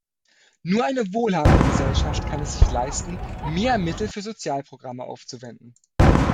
Nur eine wohlhabende Gesellschaft kann es sich leisten, mehr Mittel für Sozialprogramme aufzuwenden.